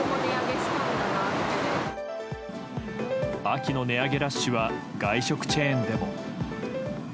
秋の値上げラッシュは外食チェーンでも。